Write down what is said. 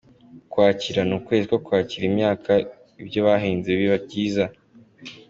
Ukwakira : Ni ukwezi ko kwakira imyaka ibyo bahinze biba byeze.